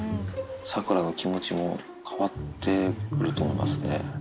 サクラの気持ちも変わってくると思いますね。